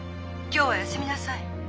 ☎今日は休みなさい。